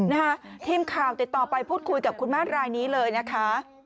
นะฮะทีมข่าวติดต่อไปพูดคุยกับคุณแม่รายนี้เลยนะคะ